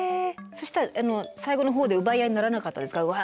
そしたら最後の方で奪い合いにならなかったですか？